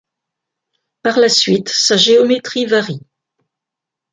Par la suite sa géométrie varie.